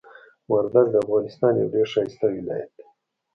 وردګ د افغانستان یو ډیر ښایسته ولایت ده.